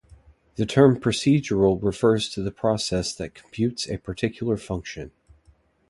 The term "procedural" refers to the process that computes a particular function.